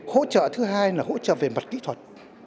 hỗ trợ thứ hai là hỗ trợ về mặt kỹ thuật